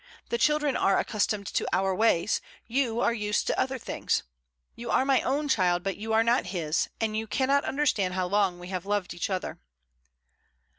The children are accustomed to our ways; you are used to other things. You are my own child; but you are not his, and you cannot understand how long we have loved each other."